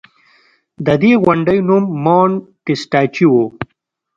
د دې غونډۍ نوم مونټ ټسټاچي و